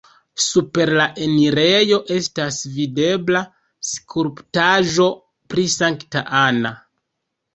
Super la enirejo estas videbla skulptaĵo pri Sankta Anna.